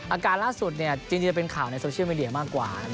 อาการล่าสุดจริงจะเป็นข่าวในโซเชียลมีเดียมากกว่า